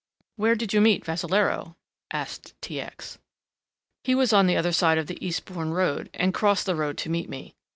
"Where did you meet Vassalaro?" asked T. X. "He was on the other side of the Eastbourne Road and crossed the road to meet me.